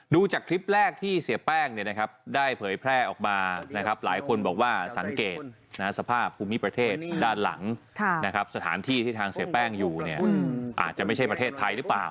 ดูจากคลิปแรกที่เสียแป้งได้เผยแพร่ออกมานะครับหลายคนบอกว่าสังเกตสภาพภูมิประเทศด้านหลังสถานที่ที่ทางเสียแป้งอยู่อาจจะไม่ใช่ประเทศไทยหรือเปล่า